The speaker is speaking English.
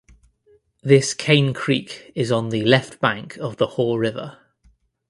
This Cane Creek is on the left bank of the Haw River.